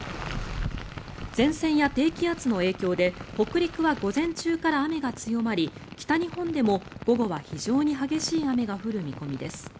前線や低気圧の影響で北陸は午前中から雨が強まり北日本でも午後は非常に激しい雨が降る見込みです。